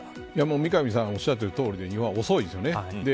三上さんがおっしゃっているとおりで日本は遅いですよね。